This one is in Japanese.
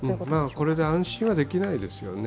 これで安心はできないですよね。